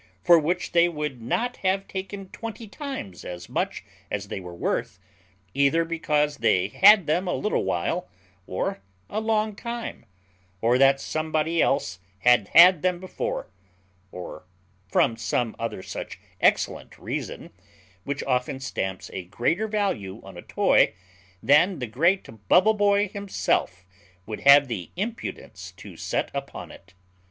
for which they would not have taken twenty times as much as they were worth, either because they had them a little while or a long time, or that somebody else had had them before, or from some other such excellent reason, which often stamps a greater value on a toy than the great Bubble boy himself would have the impudence to set upon it.